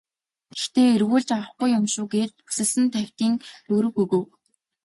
Тэгэхдээ эргүүлж авахгүй юм шүү гээд бүсэлсэн тавьтын төгрөг өгөв.